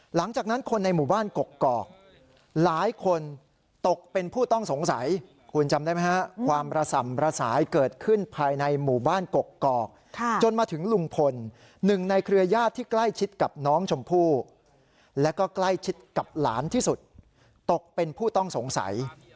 หลังจากนั้นคนในหมู่บ้านกกอกหลายคนตกเป็นผู้ต้องสงสัยคุณจำได้ไหมฮะความระส่ำระสายเกิดขึ้นภายในหมู่บ้านกกอกจนมาถึงลุงพลหนึ่งในเครือญาติที่ใกล้ชิดกับน้องชมพู่แล้วก็ใกล้ชิดกับหลานที่สุดตกเป็นผู้ต้องสงสัย